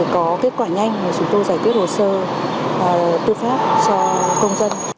chúng tôi giải quyết hồ sơ tư pháp cho công dân